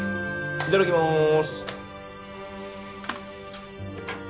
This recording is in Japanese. いただきます。